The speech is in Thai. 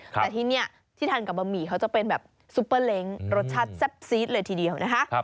แต่ที่นี่ที่ทานกับบะหมี่เขาจะเป็นแบบซุปเปอร์เล้งรสชาติแซ่บซีดเลยทีเดียวนะคะ